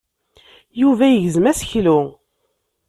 Yuba yegzem aseklu.